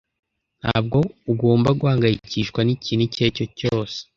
Ntabwo ugomba guhangayikishwa n'ikintu icyo ari cyo cyose.